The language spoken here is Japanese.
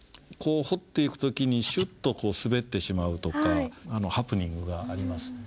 こう彫っていく時にシュッと滑ってしまうとかハプニングがあります。